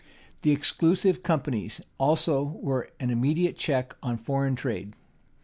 The exclusive companies also were an immediate check on foreign trade.